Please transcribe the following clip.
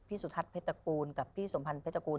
พี่สุทัศน์เพศกูลกับพี่สมพันธ์เพศกูล